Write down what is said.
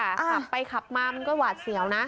ขับไปขับมามันก็หวาดเสียวนะ